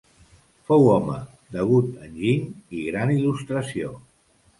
Fou home d'agut enginy i gran il·lustració.